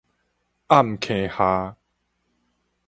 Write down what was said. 暗坑下